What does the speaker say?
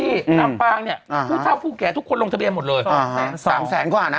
อืมน้ำปางเนี้ยอ่าฮะผู้เช่าผู้แก่ทุกคนลงทะเบียนหมดเลยอ่าฮะสามแสนกว่านะ